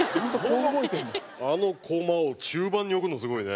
あのコマを中盤に置くのすごいね。